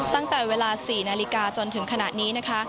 ตั้งแต่เวลา๔นาฬิกาจนถึงขณะนี้นะคะ